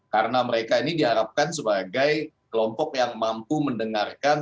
karena mereka ini diharapkan sebagai kelompok yang mampu mendengarkan